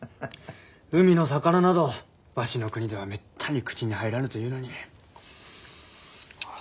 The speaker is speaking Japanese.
海の魚などわしの国ではめったに口に入らぬというのに。